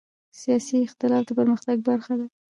سیاسي اختلاف د پرمختګ برخه ده